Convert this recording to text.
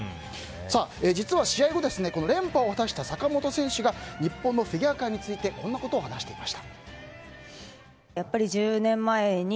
実は試合後連覇を果たした坂本選手が日本のフィギュア界についてこんなことを話していました。